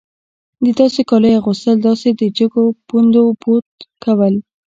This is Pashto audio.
د داسې کالیو اغوستل داسې د جګو پوندو بوټ کول.